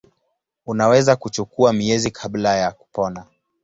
Unaweza kuchukua miezi kabla ya kupona.